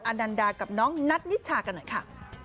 นันดากับน้องนัทนิชากันหน่อยค่ะ